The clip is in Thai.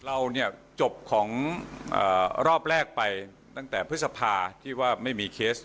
เราเนี่ยจบของรอบแรกไปตั้งแต่พฤษภาที่ว่าไม่มีเคส